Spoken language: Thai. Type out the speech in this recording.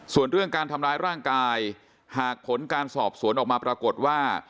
ส่วนเรื่องการทำร้ายร่างกายหากผลการสอบสวนออกมาปรากฏว่า